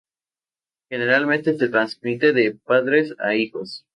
Generalmente se trasmite de padres a hijos.